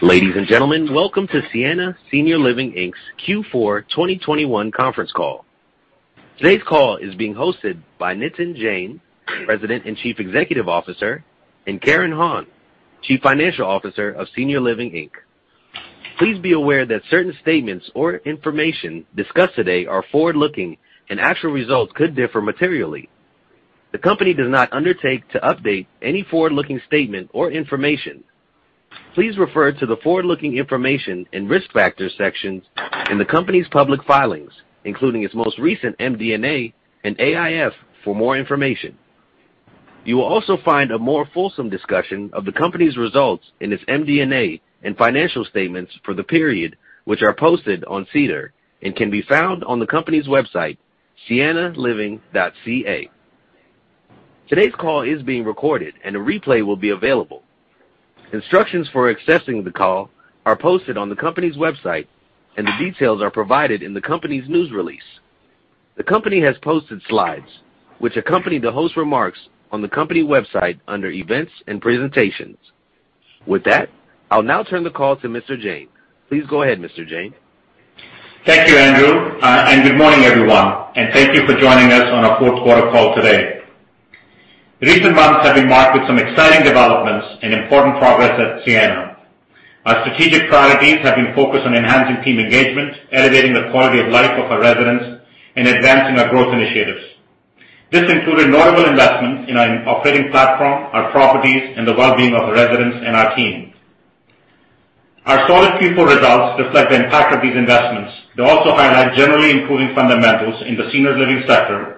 Ladies and gentlemen, welcome to Sienna Senior Living Inc.'s Q4 2021 conference call. Today's call is being hosted by Nitin Jain, President and Chief Executive Officer, and Karen Hon, Chief Financial Officer of Sienna Senior Living Inc. Please be aware that certain statements or information discussed today are forward-looking and actual results could differ materially. The company does not undertake to update any forward-looking statement or information. Please refer to the forward-looking information and risk factor sections in the company's public filings, including its most recent MD&A and AIF for more information. You will also find a more fulsome discussion of the company's results in its MD&A and financial statements for the period, which are posted on SEDAR and can be found on the company's website, siennaliving.ca. Today's call is being recorded, and a replay will be available. Instructions for accessing the call are posted on the company's website and the details are provided in the company's news release. The company has posted slides which accompany the host remarks on the company website under Events and Presentations. With that, I'll now turn the call to Mr. Jain. Please go ahead, Mr. Jain. Thank you, Andrew, and good morning, everyone, and thank you for joining us on our fourth quarter call today. Recent months have been marked with some exciting developments and important progress at Sienna. Our strategic priorities have been focused on enhancing team engagement, elevating the quality of life of our residents, and advancing our growth initiatives. This included notable investments in our operating platform, our properties, and the well-being of the residents and our team. Our solid Q4 results reflect the impact of these investments. They also highlight generally improving fundamentals in the senior living sector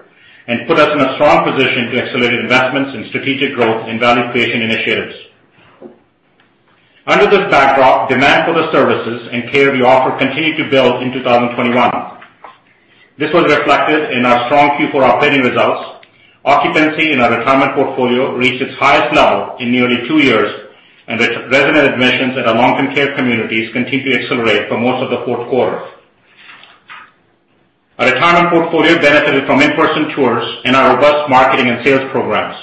and put us in a strong position to accelerate investments in strategic growth and value creation initiatives. Under this backdrop, demand for the services and care we offer continued to build in 2021. This was reflected in our strong Q4 operating results. Occupancy in our retirement portfolio reached its highest level in nearly two years, and new resident admissions at our long-term care communities continued to accelerate for most of the fourth quarter. Our retirement portfolio benefited from in-person tours and our robust marketing and sales programs.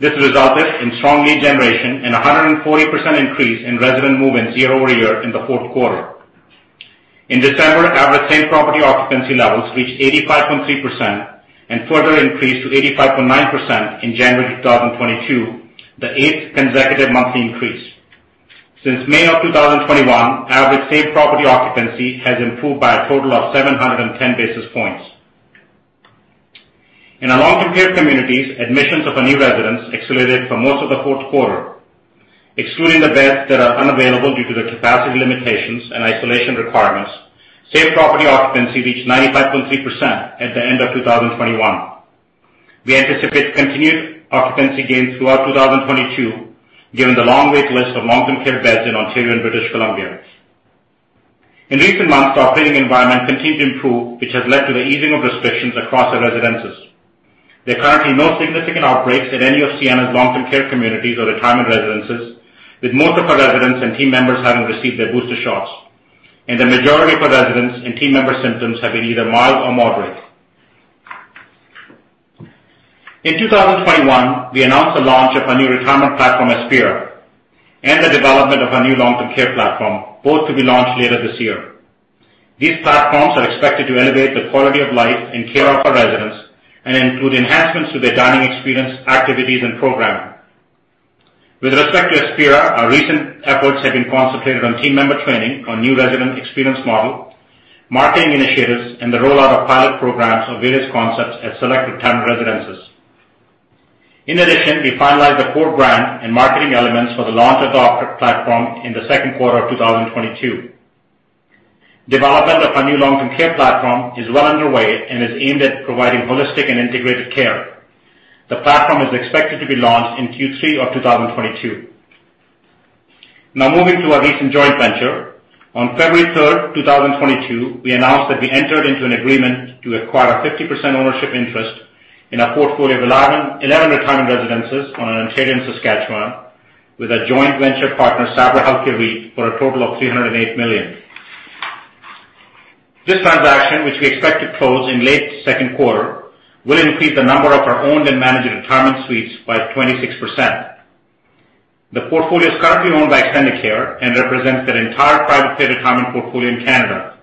This resulted in strong lead generation and 140% increase in resident move-ins year-over-year in the fourth quarter. In December, average same-property occupancy levels reached 85.3% and further increased to 85.9% in January 2022, the eighth consecutive monthly increase. Since May 2021, average same-property occupancy has improved by a total of 710 basis points. In our long-term care communities, admissions of our new residents accelerated for most of the fourth quarter. Excluding the beds that are unavailable due to the capacity limitations and isolation requirements, same-property occupancy reached 95.3% at the end of 2021. We anticipate continued occupancy gains throughout 2022, given the long wait list of long-term care beds in Ontario and British Columbia. In recent months, our operating environment continued to improve, which has led to the easing of restrictions across our residences. There are currently no significant outbreaks at any of Sienna's long-term care communities or retirement residences, with most of our residents and team members having received their booster shots, and the majority of our residents and team member symptoms have been either mild or moderate. In 2021, we announced the launch of a new retirement platform, Aspira, and the development of a new long-term care platform, both to be launched later this year. These platforms are expected to elevate the quality of life and care of our residents and include enhancements to their dining experience, activities, and programming. With respect to Aspira, our recent efforts have been concentrated on team member training on new resident experience model, marketing initiatives, and the rollout of pilot programs of various concepts at select retirement residences. In addition, we finalized the core brand and marketing elements for the launch of the offered platform in the second quarter of 2022. Development of our new long-term care platform is well underway and is aimed at providing holistic and integrated care. The platform is expected to be launched in Q3 of 2022. Now moving to our recent joint venture. On February 3, 2022, we announced that we entered into an agreement to acquire a 50% ownership interest in a portfolio of 11 retirement residences in Ontario and Saskatchewan with our joint venture partner, Sabra Health Care REIT, for a total of 308 million. This transaction, which we expect to close in late second quarter, will increase the number of our owned and managed retirement suites by 26%. The portfolio is currently owned by Extendicare and represents their entire private-pay retirement portfolio in Canada.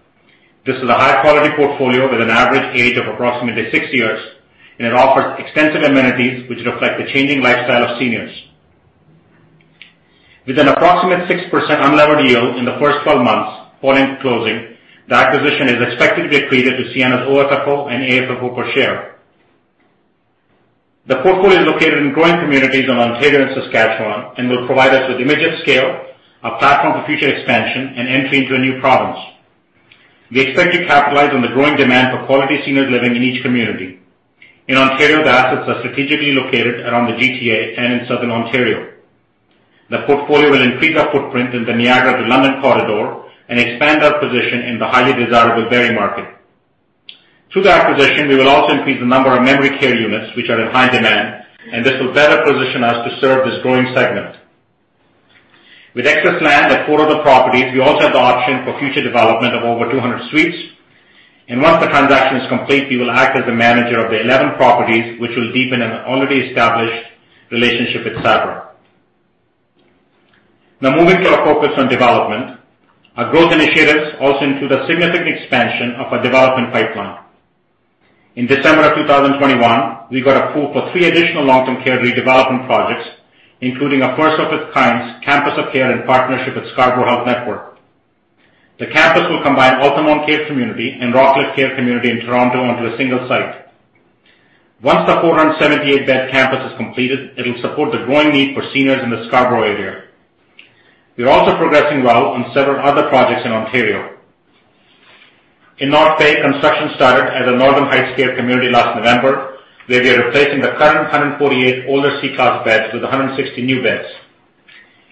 This is a high-quality portfolio with an average age of approximately six years, and it offers extensive amenities which reflect the changing lifestyle of seniors. With an approximate 6% unlevered yield in the first 12 months following the closing, the acquisition is expected to be accretive to Sienna's OFFO and AFFO per share. The portfolio is located in growing communities in Ontario and Saskatchewan and will provide us with immediate scale, a platform for future expansion, and entry into a new province. We expect to capitalize on the growing demand for quality seniors living in each community. In Ontario, the assets are strategically located around the GTA and in Southern Ontario. The portfolio will increase our footprint in the Niagara-to-London corridor and expand our position in the highly desirable Barrie market. Through the acquisition, we will also increase the number of memory care units, which are in high demand, and this will better position us to serve this growing segment. With excess land at four of the properties, we also have the option for future development of over 200 suites. And once the transaction is complete, we will act as a manager of the 11 properties, which will deepen an already established relationship with Sabra. Now moving to our focus on development. Our growth initiatives also include a significant expansion of our development pipeline. In December 2021, we got approval for three additional long-term care redevelopment projects, including a first of its kind campus of care in partnership with Scarborough Health Network. The campus will combine Altamont Care Community and Rockcliffe Care Community in Toronto onto a single site. Once the 478-bed campus is completed, it'll support the growing need for seniors in the Scarborough area. We are also progressing well on several other projects in Ontario. In North Bay, construction started at the Northern Heights Care Community last November, where we are replacing the current 148 older Class C beds with 160 new beds.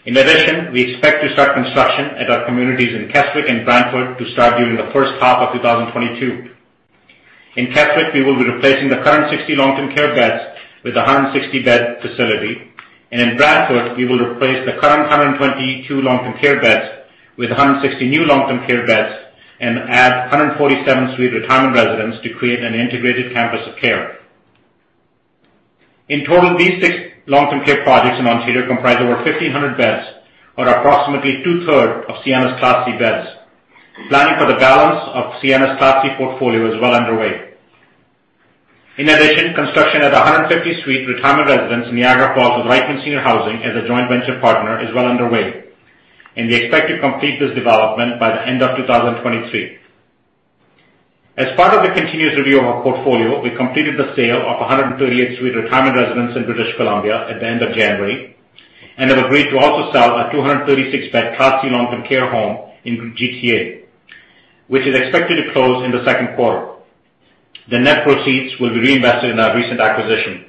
In addition, we expect to start construction at our communities in Keswick and Brantford to start during the first half of 2022. In Keswick, we will be replacing the current 60 long-term care beds with a 160-bed facility. In Brantford, we will replace the current 122 long-term care beds with 160 new long-term care beds and add a 147-suite retirement residence to create an integrated campus of care. In total, these six long-term care projects in Ontario comprise over 1,500 beds or approximately two-thirds of Sienna's Class C beds. Planning for the balance of Sienna's Class C portfolio is well underway. In addition, construction at a 150-suite retirement residence in Niagara Falls with Reichmann Senior Housing as a joint venture partner is well underway, and we expect to complete this development by the end of 2023. As part of the continuous review of our portfolio, we completed the sale of a 138-suite retirement residence in British Columbia at the end of January and have agreed to also sell a 236-bed Class C long-term care home in GTA, which is expected to close in the second quarter. The net proceeds will be reinvested in our recent acquisition.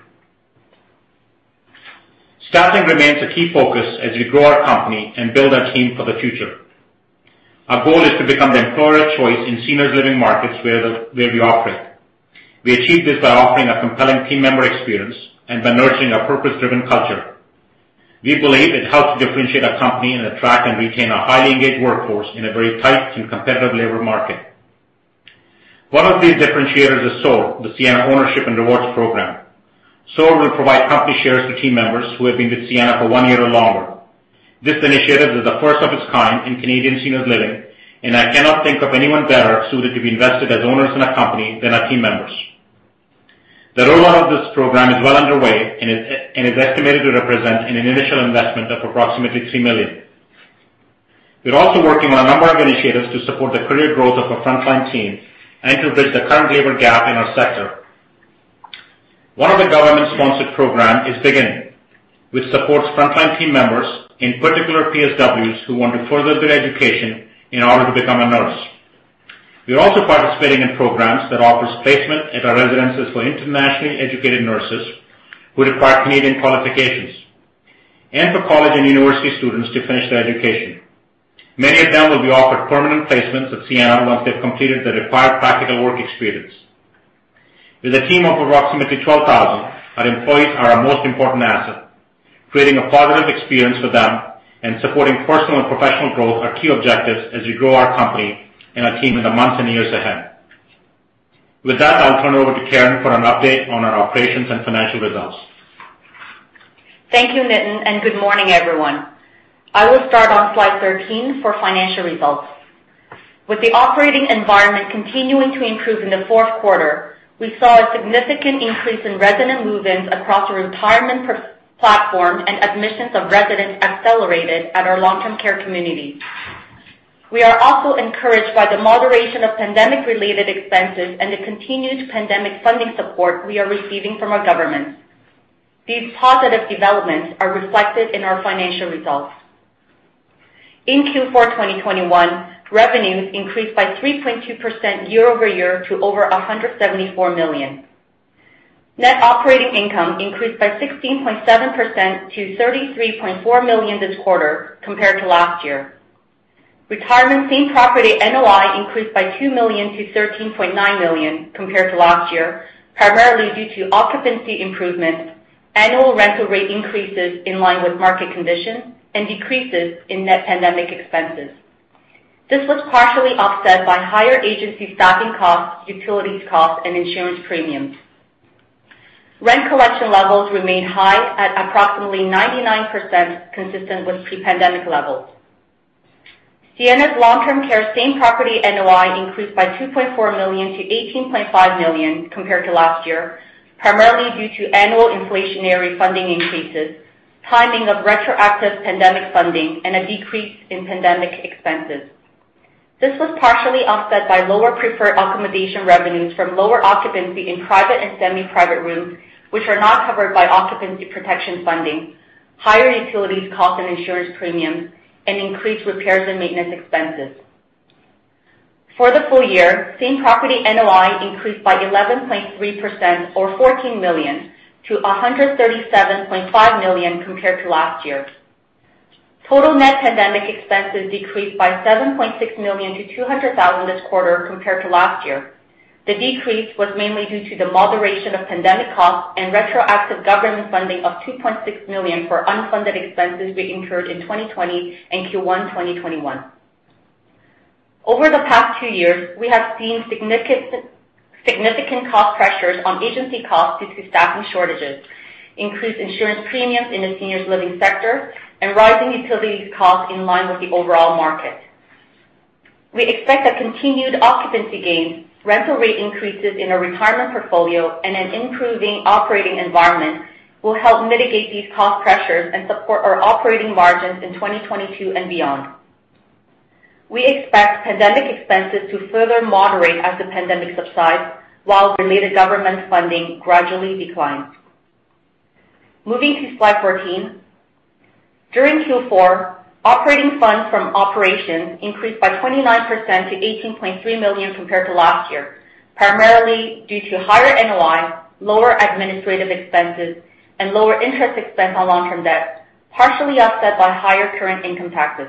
Staffing remains a key focus as we grow our company and build our team for the future. Our goal is to become the employer of choice in seniors living markets where we operate. We achieve this by offering a compelling team member experience and by nurturing a purpose-driven culture. We believe it helps differentiate our company and attract and retain a highly engaged workforce in a very tight and competitive labor market. One of these differentiators is SOAR, the Sienna Ownership and Rewards program. SOAR will provide company shares to team members who have been with Sienna for one year or longer. This initiative is the first of its kind in Canadian seniors living, and I cannot think of anyone better suited to be invested as owners in our company than our team members. The rollout of this program is well underway and is estimated to represent an initial investment of approximately 3 million. We're also working on a number of initiatives to support the career growth of our frontline team and to bridge the current labor gap in our sector. One of the government-sponsored programs is Dig In, which supports frontline team members, in particular PSWs, who want to further their education in order to become a nurse. We are also participating in programs that offer placement at our residences for internationally educated nurses who require Canadian qualifications and for college and university students to finish their education. Many of them will be offered permanent placements at Sienna once they've completed the required practical work experience. With a team of approximately 12,000, our employees are our most important asset. Creating a positive experience for them and supporting personal and professional growth are key objectives as we grow our company and our team in the months and years ahead. With that, I'll turn it over to Karen for an update on our operations and financial results. Thank you, Nitin, and good morning, everyone. I will start on slide 13 for financial results. With the operating environment continuing to improve in the fourth quarter, we saw a significant increase in resident move-ins across our retirement platform and admissions of residents accelerated at our long-term care communities. We are also encouraged by the moderation of pandemic-related expenses and the continued pandemic funding support we are receiving from our government. These positive developments are reflected in our financial results. In Q4 of 2021, revenues increased by 3.2% year-over-year to over 174 million. Net Operating Income increased by 16.7% to 33.4 million this quarter compared to last year. Retirement same-property NOI increased by 2 million to 13.9 million compared to last year, primarily due to occupancy improvements, annual rental rate increases in line with market conditions, and decreases in net pandemic expenses. This was partially offset by higher agency staffing costs, utilities costs, and insurance premiums. Rent collection levels remained high at approximately 99%, consistent with pre-pandemic levels. Sienna's long-term care same-property NOI increased by 2.4 million to 18.5 million compared to last year, primarily due to annual inflationary funding increases, timing of retroactive pandemic funding, and a decrease in pandemic expenses. This was partially offset by lower preferred accommodation revenues from lower occupancy in private and semi-private rooms, which are not covered by occupancy protection funding, higher utilities costs and insurance premiums, and increased repairs and maintenance expenses. For the full year, same-property NOI increased by 11.3% or 14 million to 137.5 million compared to last year. Total net pandemic expenses decreased by 7.6 million to 200,000 this quarter compared to last year. The decrease was mainly due to the moderation of pandemic costs and retroactive government funding of 2.6 million for unfunded expenses we incurred in 2020 and Q1 2021. Over the past two years, we have seen significant cost pressures on agency costs due to staffing shortages, increased insurance premiums in the seniors living sector and rising utilities costs in line with the overall market. We expect that continued occupancy gains, rental rate increases in our retirement portfolio, and an improving operating environment will help mitigate these cost pressures and support our operating margins in 2022 and beyond. We expect pandemic expenses to further moderate as the pandemic subsides, while related government funding gradually declines. Moving to slide 14. During Q4, operating funds from operations increased by 29% to 18.3 million compared to last year, primarily due to higher NOI, lower administrative expenses and lower interest expense on long-term debt, partially offset by higher current income taxes.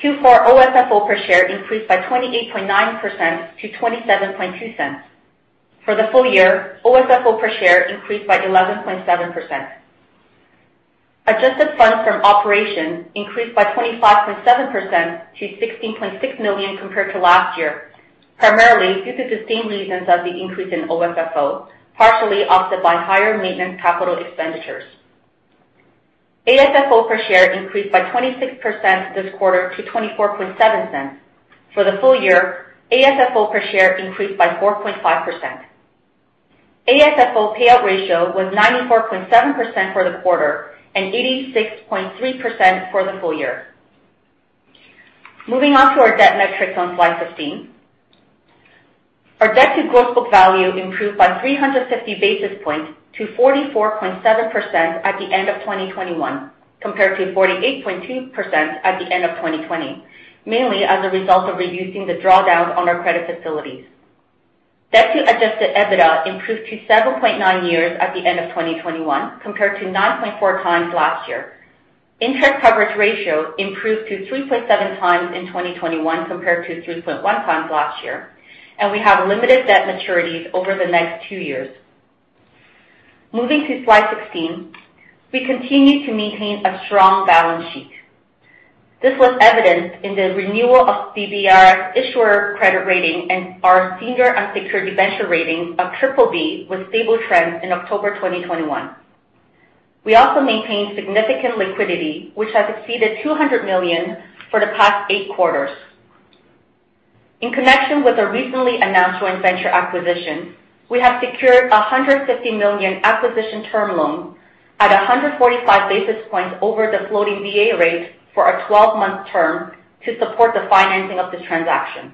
Q4 OFFO per share increased by 28.9% to 0.272. For the full year, OFFO per share increased by 11.7%. Adjusted funds from operations increased by 25.7% to 16.6 million compared to last year, primarily due to the same reasons as the increase in OFFO, partially offset by higher maintenance capital expenditures. AFFO per share increased by 26% this quarter to 0.247. For the full year, AFFO per share increased by 4.5%. AFFO payout ratio was 94.7% for the quarter and 86.3% for the full year. Moving on to our debt metrics on slide 15. Our debt to gross book value improved by 350 basis points to 44.7% at the end of 2021, compared to 48.2% at the end of 2020, mainly as a result of reducing the drawdowns on our credit facilities. Debt to adjusted EBITDA improved to 7.9 years at the end of 2021, compared to 9.4 times last year. Interest coverage ratio improved to 3.7x in 2021 compared to 3.1x last year, and we have limited debt maturities over the next two years. Moving to slide 16. We continue to maintain a strong balance sheet. This was evidenced in the renewal of DBRS's issuer credit rating and our senior unsecured debenture rating of BBB with stable trends in October 2021. We also maintained significant liquidity, which has exceeded 200 million for the past eight quarters. In connection with the recently announced joint venture acquisition, we have secured a 150 million acquisition term loan at 145 basis points over the floating BA rate for a 12-month term to support the financing of the transaction.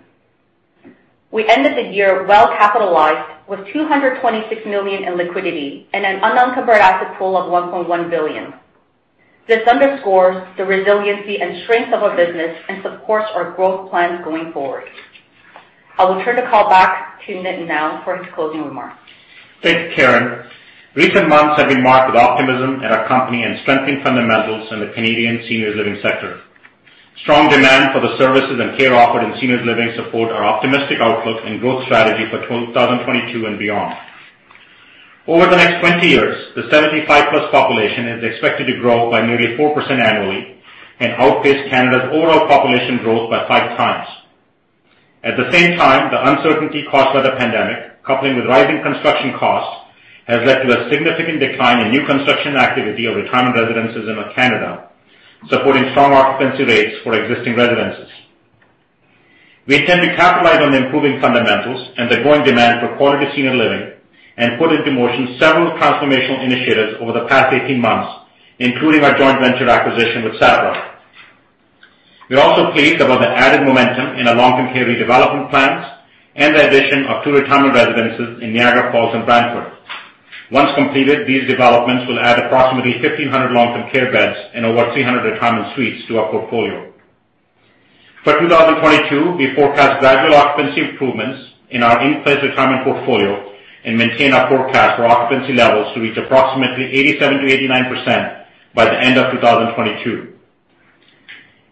We ended the year well capitalized with CAD 226 million in liquidity and an unconverted asset pool of CAD 1.1 billion. This underscores the resiliency and strength of our business and supports our growth plans going forward. I will turn the call back to Nitin now for his closing remarks. Thanks, Karen. Recent months have been marked with optimism at our company and strengthening fundamentals in the Canadian seniors living sector. Strong demand for the services and care offered in seniors living support our optimistic outlook and growth strategy for 2022 and beyond. Over the next 20 years, the 75+ population is expected to grow by nearly 4% annually and outpace Canada's overall population growth by five times. At the same time, the uncertainty caused by the pandemic, coupling with rising construction costs, has led to a significant decline in new construction activity of retirement residences in Canada, supporting strong occupancy rates for existing residences. We intend to capitalize on the improving fundamentals and the growing demand for quality senior living and put into motion several transformational initiatives over the past 18 months, including our joint venture acquisition with Sabra. We're also pleased about the added momentum in our long-term care redevelopment plans and the addition of two retirement residences in Niagara Falls and Brantford. Once completed, these developments will add approximately 1,500 long-term care beds and over 300 retirement suites to our portfolio. For 2022, we forecast gradual occupancy improvements in our in-place retirement portfolio and maintain our forecast for occupancy levels to reach approximately 87%-89% by the end of 2022.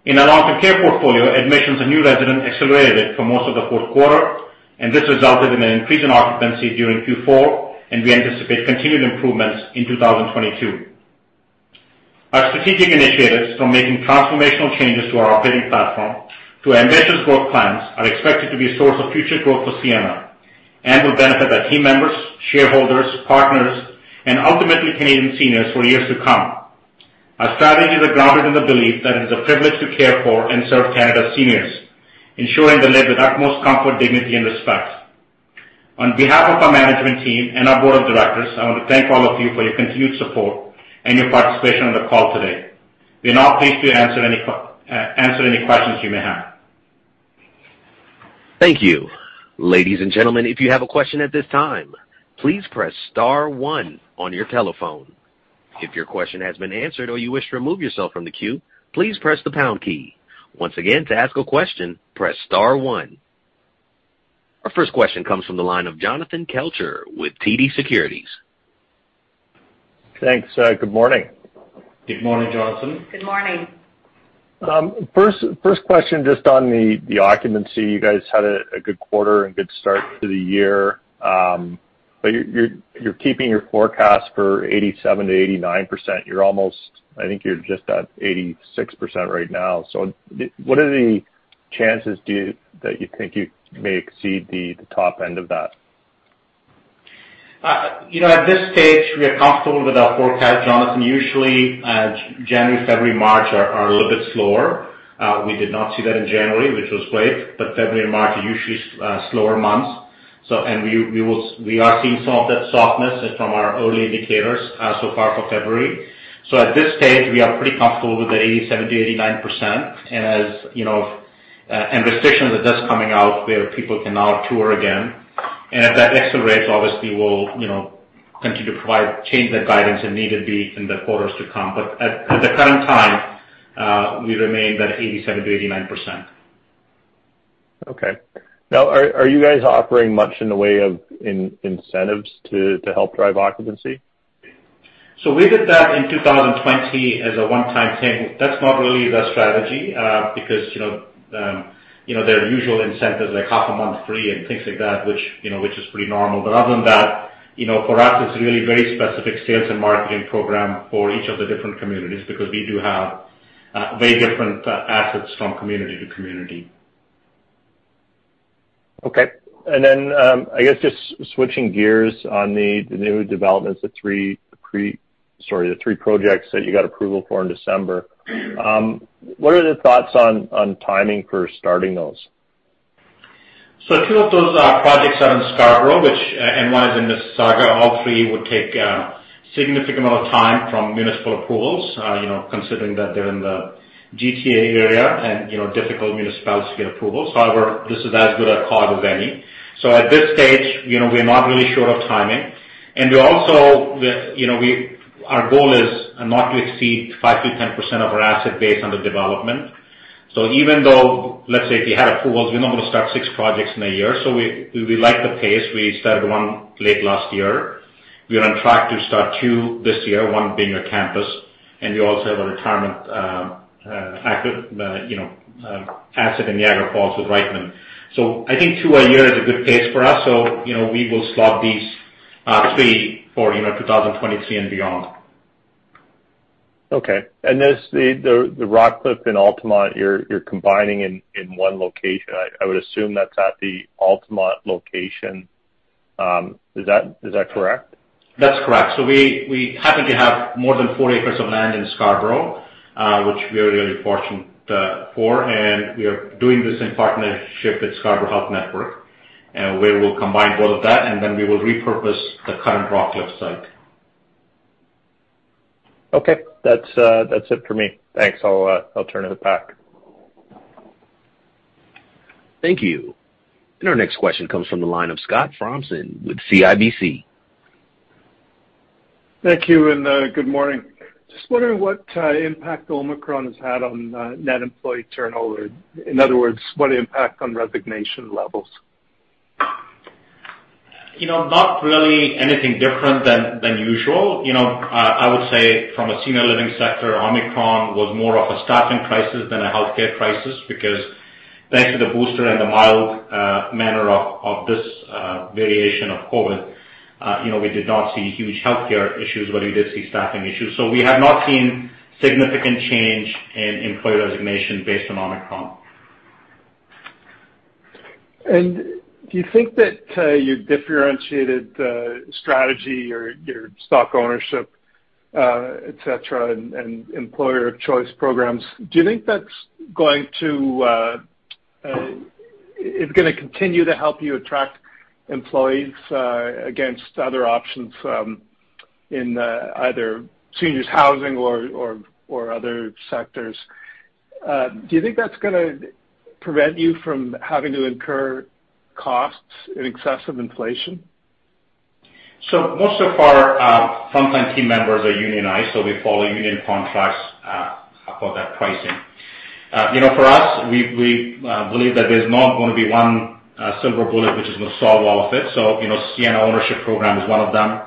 In our long-term care portfolio, admissions of new residents accelerated for most of the fourth quarter, and this resulted in an increase in occupancy during Q4, and we anticipate continued improvements in 2022. Our strategic initiatives, from making transformational changes to our operating platform to ambitious growth plans, are expected to be a source of future growth for Sienna and will benefit our team members, shareholders, partners, and ultimately Canadian seniors for years to come. Our strategies are grounded in the belief that it is a privilege to care for and serve Canada's seniors, ensuring they live with utmost comfort, dignity and respect. On behalf of our management team and our board of directors, I want to thank all of you for your continued support and your participation on the call today. We are now pleased to answer any questions you may have. Thank you. Ladies and gentlemen, if you have a question at this time, please press star one on your telephone. If your question has been answered or you wish to remove yourself from the queue, please press the pound key. Once again, to ask a question, press star one. Our first question comes from the line of Jonathan Kelcher with TD Securities. Thanks. Good morning. Good morning, Jonathan. Good morning. First question just on the occupancy. You guys had a good quarter and good start to the year. You're keeping your forecast for 87%-89%. I think you're just at 86% right now. What are the chances that you think you may exceed the top end of that? You know, at this stage, we are comfortable with our forecast, Jonathan. Usually, January, February, March are a little bit slower. We did not see that in January, which was great, but February and March are usually slower months. We are seeing some of that softness from our early indicators so far for February. At this stage, we are pretty comfortable with the 87%-89%. As you know, restrictions are just coming out where people can now tour again. If that accelerates, obviously we'll continue to change the guidance if needed be in the quarters to come. At the current time, we remain that 87%-89%. Okay. Now are you guys offering much in the way of incentives to help drive occupancy? We did that in 2020 as a one-time thing. That's not really the strategy, because, you know, you know, there are usual incentives like half a month free and things like that, which, you know, which is pretty normal. Other than that, you know, for us, it's really very specific sales and marketing program for each of the different communities, because we do have, very different, assets from community to community. Okay. I guess just switching gears on the new developments, the three projects that you got approval for in December. What are the thoughts on timing for starting those? Two of those projects are in Scarborough, which and one is in Mississauga. All three would take a significant amount of time from municipal approvals, you know, considering that they're in the GTA area and, you know, difficult municipalities to get approvals. However, this is as good a cohort as any. At this stage, you know, we're not really sure of timing. We also, you know, our goal is not to exceed 5%-10% of our asset base under development. Even though, let's say if you had approvals, we're not gonna start six projects in a year. We like the pace. We started one late last year. We're on track to start two this year, one being a campus, and we also have a retirement active, you know, asset in Niagara Falls with Reichmann. I think two a year is a good pace for us. You know, we will slot these three for, you know, 2023 and beyond. Okay. This, the Rockcliffe and Altamont, you're combining in one location. I would assume that's at the Altamont location. Is that correct? That's correct. We happen to have more than four acres of land in Scarborough, which we are really fortunate for. We are doing this in partnership with Scarborough Health Network, and where we'll combine both of that, and then we will repurpose the current Rockcliffe site. Okay. That's it for me. Thanks. I'll turn to the pack. Thank you. Our next question comes from the line of Scott Fromson with CIBC. Thank you, and good morning. Just wondering what impact Omicron has had on net employee turnover. In other words, what impact on resignation levels? You know, not really anything different than usual. You know, I would say from a senior living sector, Omicron was more of a staffing crisis than a healthcare crisis, because thanks to the booster and the mild manner of this variation of COVID, you know, we did not see huge healthcare issues, but we did see staffing issues. We have not seen significant change in employee resignation based on Omicron. Do you think that your differentiated strategy, your stock ownership, et cetera, and employer of choice programs, do you think that's gonna continue to help you attract employees against other options in either seniors housing or other sectors? Do you think that's gonna prevent you from having to incur costs in excess of inflation? Most of our frontline team members are unionized, so we follow union contracts for that pricing. You know, for us, we believe that there's not gonna be one silver bullet which is gonna solve all of it. You know, Sienna Ownership Program is one of them.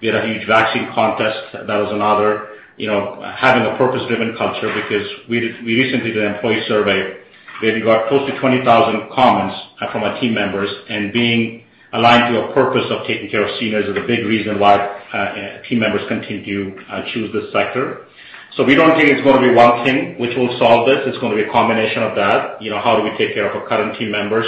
We had a huge vaccine contest. That was another. You know, having a purpose-driven culture because we recently did an employee survey where we got close to 20,000 comments from our team members, and being aligned to a purpose of taking care of seniors is a big reason why team members continue to choose this sector. We don't think it's gonna be one thing which will solve this. It's gonna be a combination of that. You know, how do we take care of our current team members,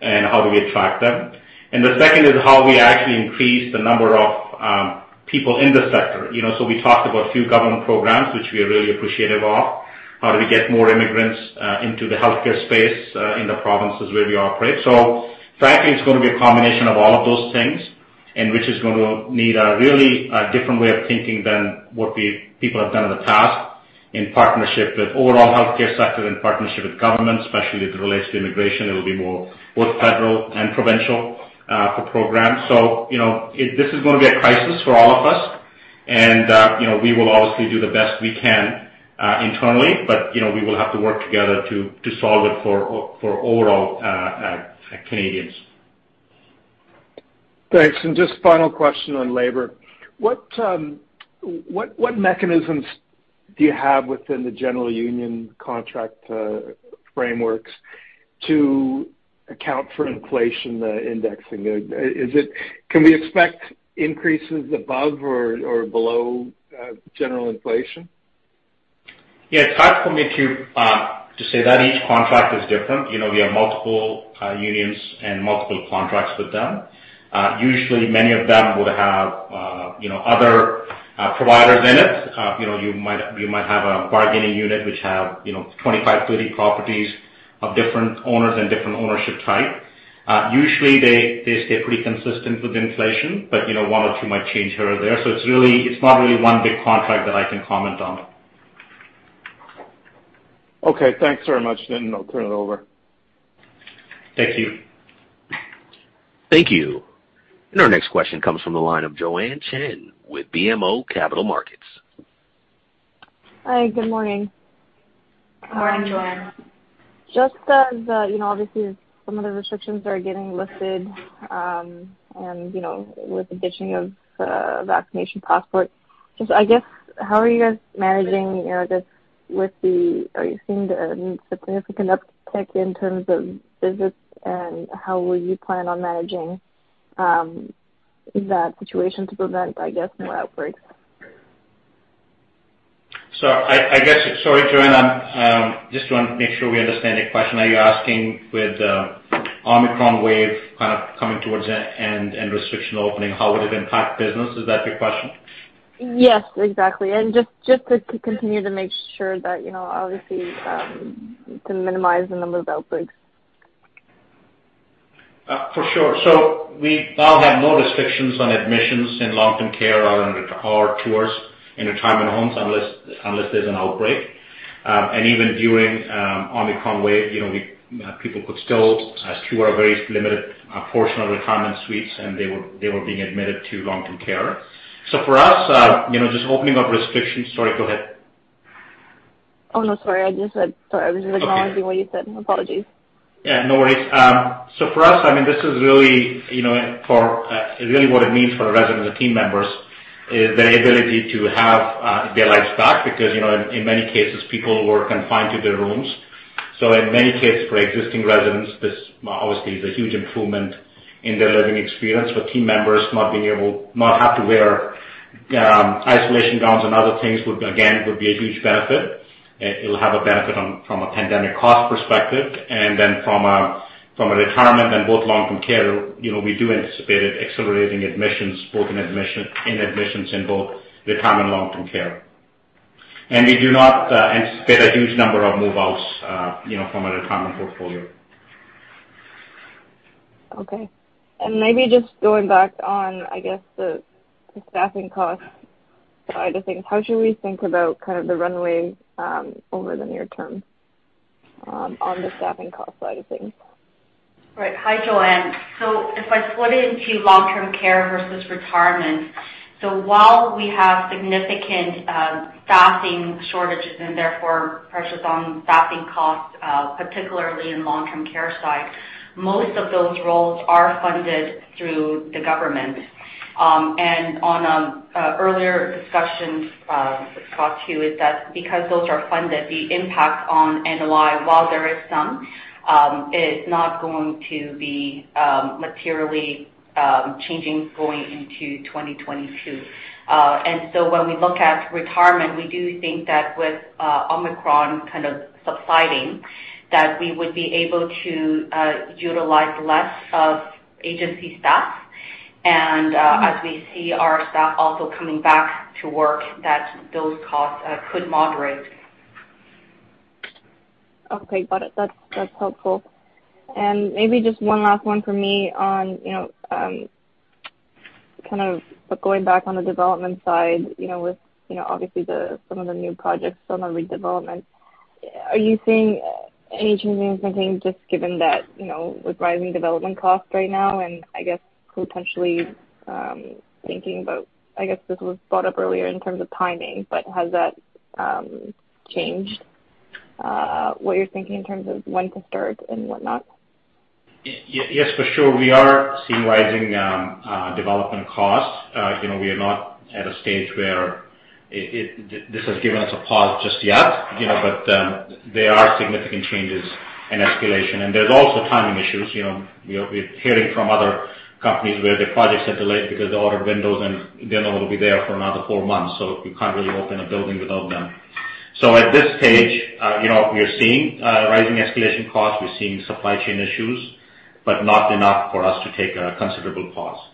and how do we attract them? The second is how we actually increase the number of people in the sector. You know, we talked about a few government programs which we are really appreciative of. How do we get more immigrants into the healthcare space in the provinces where we operate? Frankly, it's gonna be a combination of all of those things, and which is gonna need a really different way of thinking than what people have done in the past in partnership with overall healthcare sector and partnership with government, especially as it relates to immigration. It'll be more both federal and provincial for programs. You know, this is gonna be a crisis for all of us. You know, we will obviously do the best we can internally, but you know, we will have to work together to solve it for overall Canadians. Thanks. Just final question on labor. What mechanisms do you have within the general union contract frameworks to account for inflation, the indexing? Can we expect increases above or below general inflation? Yeah, it's hard for me to say that each contract is different. You know, we have multiple unions and multiple contracts with them. Usually many of them would have you know other providers in it. You know, you might have a bargaining unit which have you know 25, 30 properties of different owners and different ownership type. Usually they stay pretty consistent with inflation, but you know one or two might change here or there. It's really not really one big contract that I can comment on. Okay, thanks very much. I'll turn it over. Thank you. Thank you. Our next question comes from the line of Joanne Chen with BMO Capital Markets. Hi, good morning. Good morning, Joanne. Just as you know, obviously some of the restrictions are getting lifted, and you know, with the ditching of vaccination passports, just I guess how are you guys managing, you know? Are you seeing a significant uptick in terms of visits, and how will you plan on managing that situation to prevent, I guess, more outbreaks? I guess. Sorry, Joanne, just want to make sure we understand your question. Are you asking with Omicron wave kind of coming towards an end and restriction opening, how would it impact business? Is that your question? Yes, exactly. Just to continue to make sure that, you know, obviously, to minimize the number of outbreaks. For sure. We now have no restrictions on admissions in long-term care or tours in retirement homes unless there's an outbreak. Even during Omicron wave, you know, people could still tour a very limited portion of retirement suites, and they were being admitted to long-term care. For us, you know, just opening up restrictions. Sorry, go ahead. Oh, no, sorry. I was just acknowledging what you said. Apologies. Yeah, no worries. For us, I mean, this is really, you know, for really what it means for the residents and team members is the ability to have their lives back because, you know, in many cases, people were confined to their rooms. In many cases, for existing residents, this obviously is a huge improvement in their living experience. For team members, not have to wear isolation gowns and other things would, again, be a huge benefit. It'll have a benefit from a pandemic cost perspective. From a retirement and both long-term care, you know, we do anticipate it accelerating admissions in admissions in both retirement long-term care. We do not anticipate a huge number of move-outs, you know, from a retirement portfolio. Okay. Maybe just going back on, I guess, the staffing cost side of things. How should we think about kind of the runway over the near term on the staffing cost side of things? Right. Hi, Joanne. If I split it into long-term care versus retirement, while we have significant staffing shortages and therefore pressures on staffing costs, particularly in long-term care side, most of those roles are funded through the government. In earlier discussions, we've talked about this, that because those are funded, the impact on NOI, while there is some, is not going to be materially changing going into 2022. When we look at retirement, we do think that with Omicron kind of subsiding, that we would be able to utilize less of agency staff. As we see our staff also coming back to work, those costs could moderate. Okay. Got it. That's helpful. Maybe just one last one for me on, you know, kind of going back on the development side, you know, with, you know, obviously some of the new projects on the redevelopment. Are you seeing any changes in thinking just given that, you know, with rising development costs right now and I guess potentially, thinking about, I guess this was brought up earlier in terms of timing, but has that, changed, what you're thinking in terms of when to start and whatnot? Yes, for sure. We are seeing rising development costs. You know, we are not at a stage where this has given us a pause just yet, you know, but there are significant changes in escalation. There's also timing issues, you know. We're hearing from other companies where their projects are delayed because they ordered windows and they're not gonna be there for another four months, so you can't really open a building without them. At this stage, you know, we are seeing rising escalation costs. We're seeing supply chain issues, but not enough for us to take a considerable pause.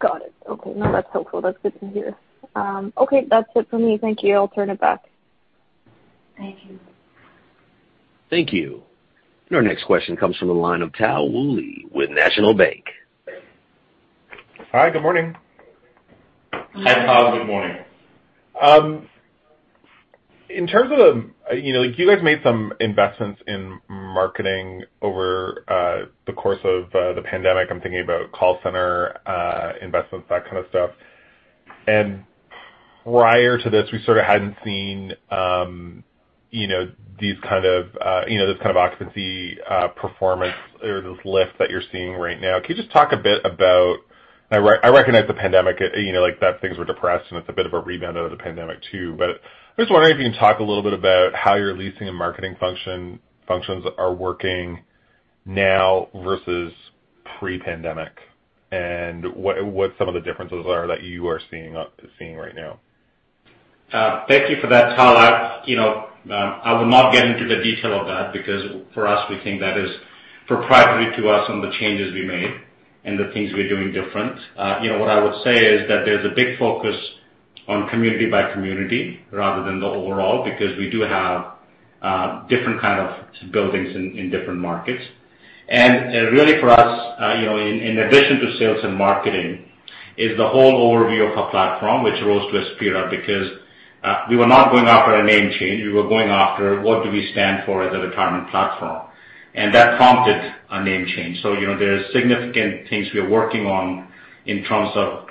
Got it. Okay. No, that's helpful. That's good to hear. Okay, that's it for me. Thank you. I'll turn it back. Thank you. Thank you. Our next question comes from the line of Tal Woolley with National Bank. Hi, good morning. Hi, Tal. Good morning. In terms of, you know, you guys made some investments in marketing over the course of the pandemic. I'm thinking about call center investments, that kind of stuff. Prior to this, we sort of hadn't seen, you know, these kind of, you know, this kind of occupancy, performance or this lift that you're seeing right now. Can you just talk a bit about I recognize the pandemic, you know, like, that things were depressed, and it's a bit of a rebound out of the pandemic too. But I'm just wondering if you can talk a little bit about how your leasing and marketing functions are working now versus pre-pandemic, and what some of the differences are that you are seeing right now. Thank you for that, Tyler. You know, I will not get into the detail of that because for us, we think that is proprietary to us on the changes we made and the things we're doing different. You know, what I would say is that there's a big focus on community by community rather than the overall, because we do have different kind of buildings in different markets. Really for us, you know, in addition to sales and marketing is the whole overview of a platform which rose to Aspira because we were not going after a name change, we were going after what do we stand for as a retirement platform, and that prompted a name change. You know, there's significant things we are working on in terms of,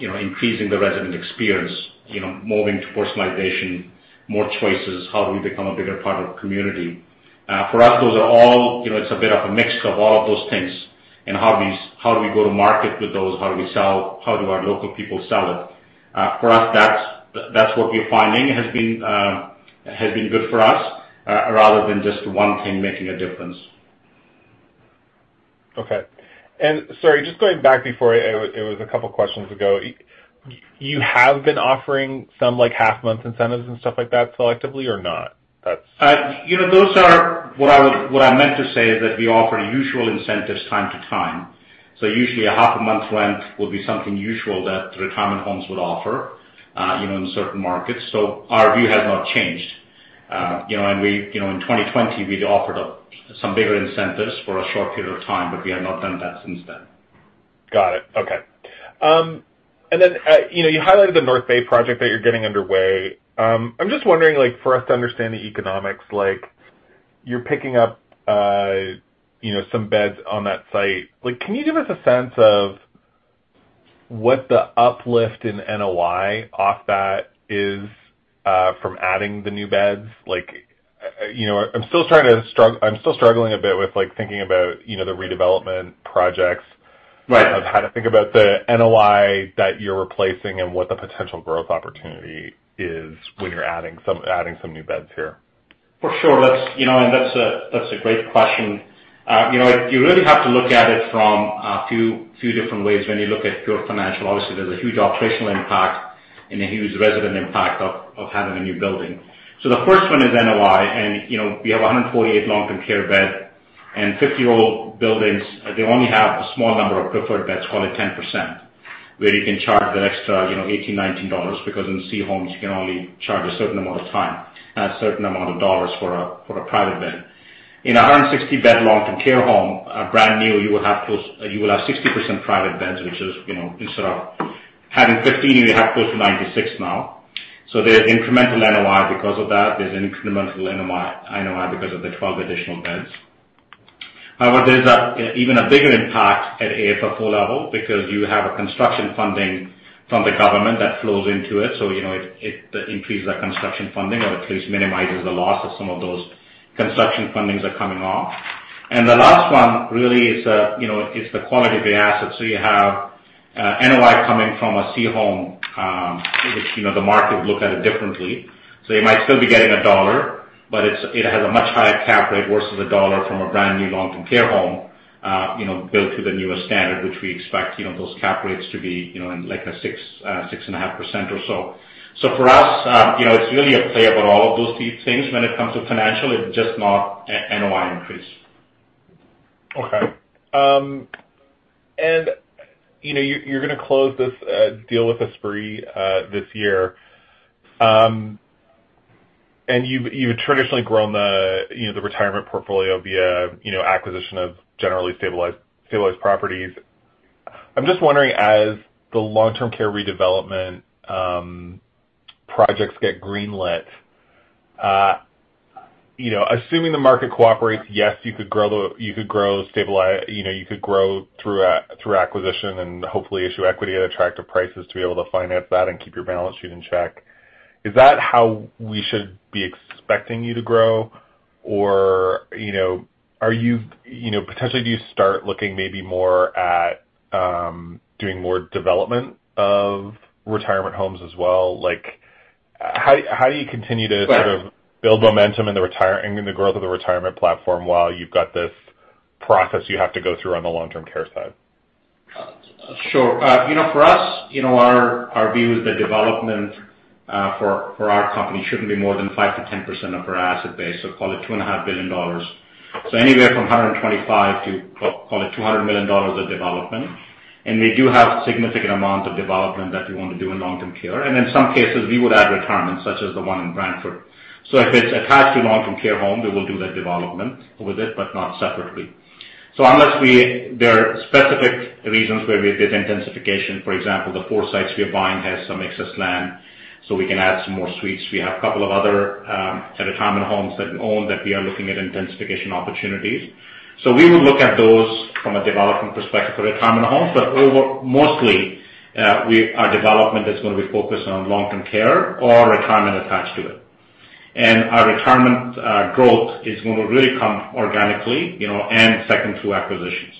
you know, increasing the resident experience, you know, moving to personalization, more choices, how do we become a bigger part of community. For us, those are all, you know, it's a bit of a mix of all of those things and how do we go to market with those? How do we sell? How do our local people sell it? For us, that's what we're finding has been good for us, rather than just one thing making a difference. Okay. Sorry, just going back before, it was a couple questions ago. You have been offering some, like, half month incentives and stuff like that selectively or not? That's- You know, what I meant to say is that we offer usual incentives from time to time. Usually a half a month's rent will be something usual that retirement homes would offer, you know, in certain markets. Our view has not changed. You know, in 2020, we'd offered up some bigger incentives for a short period of time, but we have not done that since then. Got it. Okay. You know, you highlighted the North Bay project that you're getting underway. I'm just wondering, like, for us to understand the economics, like, you're picking up, you know, some beds on that site. Like, can you give us a sense of what the uplift in NOI off that is, from adding the new beds? Like, you know what? I'm still struggling a bit with, like, thinking about, you know, the redevelopment projects. Right. Of how to think about the NOI that you're replacing and what the potential growth opportunity is when you're adding some new beds here. For sure. That's, you know, that's a great question. You know, you really have to look at it from a few different ways when you look at purely financial. Obviously, there's a huge operational impact and a huge resident impact of having a new building. The first one is NOI, and, you know, we have 148 long-term care bed and 50-year-old buildings, they only have a small number of preferred beds, call it 10%, where you can charge that extra, you know, 18, 19 dollars because in C homes, you can only charge a certain amount of time and a certain amount of dollars for a private bed. In a 160-bed long-term care home, brand new, you will have 60% private beds, which is, you know, instead of having 15, you have close to 96 now. So there's incremental NOI because of that. There's an incremental NOI because of the 12 additional beds. However, there's even a bigger impact at AFFO level because you have a construction funding from the government that flows into it. So, you know, it increases the construction funding or at least minimizes the loss of some of those construction fundings are coming off. The last one really is, you know, the quality of the assets. So you have NOI coming from a C home, which, you know, the market would look at it differently. You might still be getting CAD 1, but it has a much higher cap rate versus CAD 1 from a brand new long-term care home, you know, built to the newest standard, which we expect, you know, those cap rates to be, you know, in like a 6%-6.5% or so. For us, you know, it's really a play about all of those things. When it comes to financial, it's just not an NOI increase. Okay. You know, you're gonna close this deal with Esprit this year. You've traditionally grown the retirement portfolio via acquisition of generally stabilized properties. I'm just wondering, as the long-term care redevelopment projects get green-lit, you know, assuming the market cooperates, yes, you could grow through acquisition and hopefully issue equity at attractive prices to be able to finance that and keep your balance sheet in check. Is that how we should be expecting you to grow? Or, you know, are you know, potentially, do you start looking maybe more at doing more development of retirement homes as well? Like, how do you continue to sort of? Right. Build momentum in the growth of the retirement platform while you've got this process you have to go through on the long-term care side? Sure. You know, for us, you know, our view is that development for our company shouldn't be more than 5%-10% of our asset base, so call it 2.5 billion dollars. Anywhere from 125 million to call it 200 million dollars of development. We do have significant amount of development that we want to do in long-term care. In some cases, we would add retirement, such as the one in Brantford. If it's attached to long-term care home, we will do the development with it, but not separately. Unless we. There are specific reasons where we did intensification. For example, the four sites we are buying has some excess land, so we can add some more suites. We have a couple of other retirement homes that we own that we are looking at intensification opportunities. We would look at those from a development perspective for retirement homes. Mostly, our development is gonna be focused on long-term care or retirement attached to it. Our retirement growth is gonna really come organically, you know, and second to acquisitions.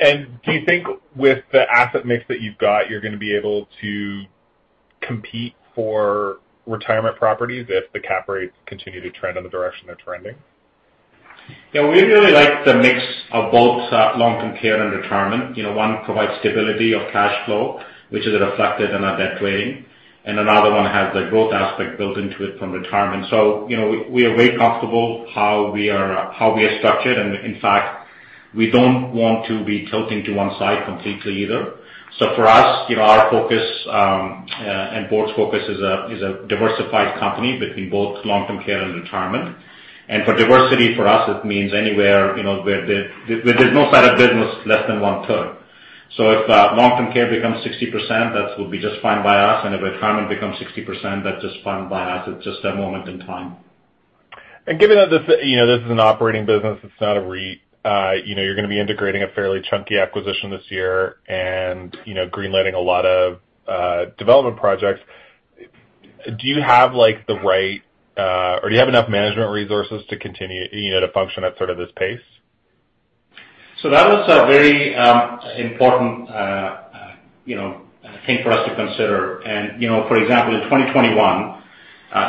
Do you think with the asset mix that you've got, you're gonna be able to compete for retirement properties if the cap rates continue to trend in the direction they're trending? Yeah, we really like the mix of both, long-term care and retirement. You know, one provides stability of cash flow, which is reflected in our debt weighting, and another one has the growth aspect built into it from retirement. You know, we are very comfortable how we are structured. In fact, we don't want to be tilting to one side completely either. For us, you know, our focus and board's focus is a diversified company between both long-term care and retirement. For diversity, for us, it means anywhere, you know, where there's no side of business less than one-third. If long-term care becomes 60%, that would be just fine by us. If retirement becomes 60%, that's just fine by us. It's just a moment in time. Given that this, you know, this is an operating business, it's not a REIT, you know, you're gonna be integrating a fairly chunky acquisition this year and, you know, green-lighting a lot of development projects. Do you have, like, the right or do you have enough management resources to continue, you know, to function at sort of this pace? That was a very important, you know, thing for us to consider. You know, for example, in 2021,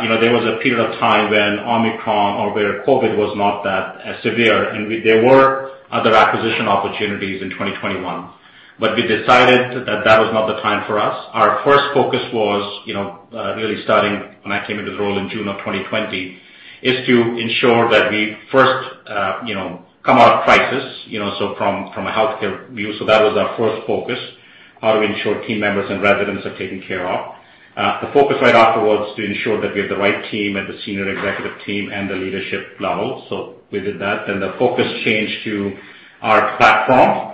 you know, there was a period of time when Omicron, where COVID was not that severe, and there were other acquisition opportunities in 2021. We decided that that was not the time for us. Our first focus was, you know, really starting when I came into this role in June of 2020, is to ensure that we first, you know, come out of crisis, you know, so from a healthcare view. That was our first focus, how to ensure team members and residents are taken care of. The focus right after was to ensure that we have the right team at the senior executive team and the leadership level. We did that. The focus changed to our platform,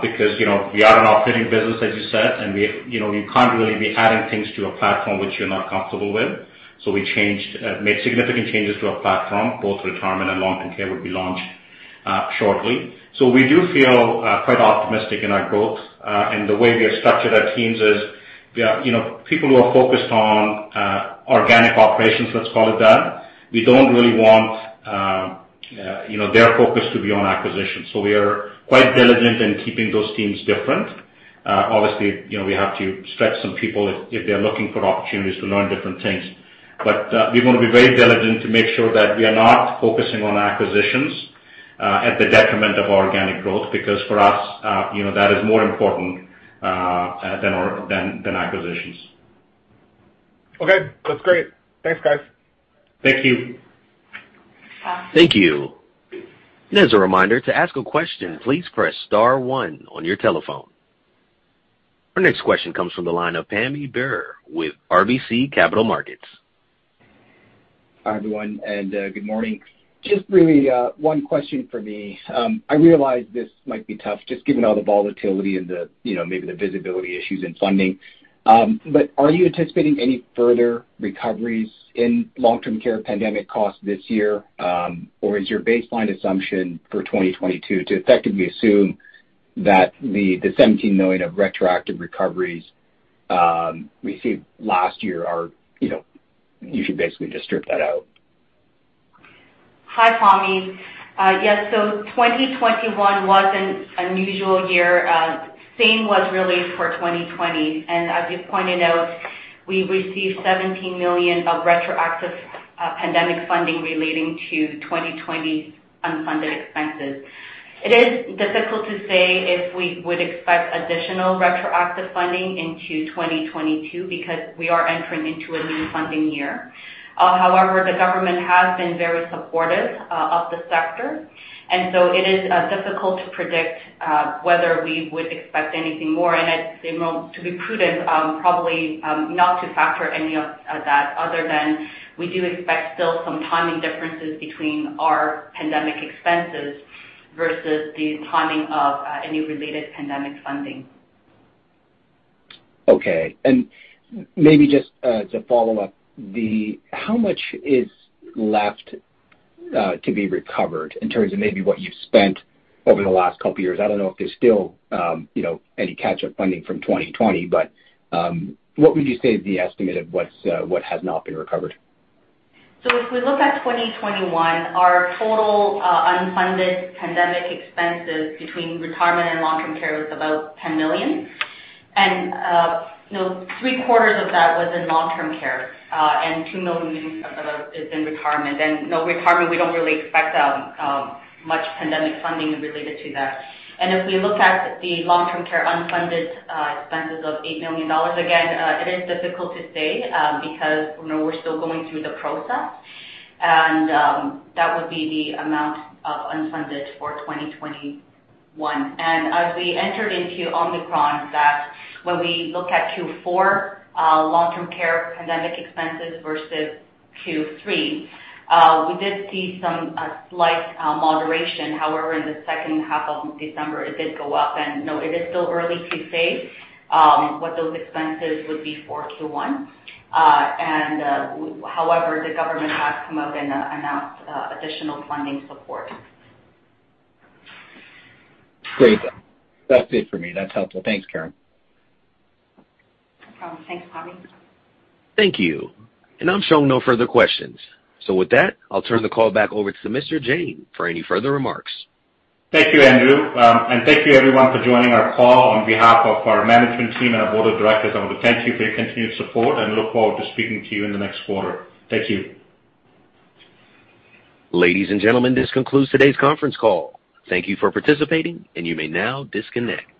because, you know, we are an operating business, as you said, and we, you know, you can't really be adding things to a platform which you're not comfortable with. We made significant changes to our platform. Both retirement and long-term care will be launched shortly. We do feel quite optimistic in our growth. The way we have structured our teams is we are, you know, people who are focused on organic operations, let's call it that. We don't really want, you know, their focus to be on acquisitions. We are quite diligent in keeping those teams different. Obviously, you know, we have to stretch some people if they're looking for opportunities to learn different things. We wanna be very diligent to make sure that we are not focusing on acquisitions at the detriment of organic growth, because for us, you know, that is more important than our acquisitions. Okay. That's great. Thanks, guys. Thank you. Thank you. As a reminder, to ask a question, please press star one on your telephone. Our next question comes from the line of Pammi Bir with RBC Capital Markets. Hi, everyone, and good morning. Just really one question for me. I realize this might be tough just given all the volatility and the, you know, maybe the visibility issues in funding. Are you anticipating any further recoveries in long-term care pandemic costs this year? Or is your baseline assumption for 2022 to effectively assume that the 17 million of retroactive recoveries received last year are, you know, you should basically just strip that out? Hi, Pammi. Yes, 2021 was an unusual year. The same was really for 2020. As you pointed out, we received 17 million of retroactive pandemic funding relating to 2020 unfunded expenses. It is difficult to say if we would expect additional retroactive funding into 2022 because we are entering into a new funding year. However, the government has been very supportive of the sector, and so it is difficult to predict whether we would expect anything more. It's to be prudent, probably, not to factor any of that other than we do expect still some timing differences between our pandemic expenses versus the timing of any related pandemic funding. Okay. Maybe just to follow up, how much is left to be recovered in terms of maybe what you've spent over the last couple years? I don't know if there's still, you know, any catch-up funding from 2020, but what would you say is the estimate of what has not been recovered? If we look at 2021, our total unfunded pandemic expenses between retirement and long-term care was about 10 million. You know, three-quarters of that was in long-term care, and about 2 million is in retirement. You know, retirement, we don't really expect much pandemic funding related to that. If we look at the long-term care unfunded expenses of 8 million dollars, again, it is difficult to say, because you know, we're still going through the process and that would be the amount of unfunded for 2021. As we entered into Omicron, when we look at Q4 long-term care pandemic expenses versus Q3, we did see some slight moderation. However, in the second half of December, it did go up. No, it is still early to say what those expenses would be for Q1. However, the government has come up and announced additional funding support. Great. That's it for me. That's helpful. Thanks, Karen. No problem. Thanks, Pammi. Thank you. I'm showing no further questions. With that, I'll turn the call back over to Mr. Jain for any further remarks. Thank you, Andrew. Thank you everyone for joining our call. On behalf of our management team and our board of directors, I want to thank you for your continued support and look forward to speaking to you in the next quarter. Thank you. Ladies and gentlemen, this concludes today's conference call. Thank you for participating, and you may now disconnect.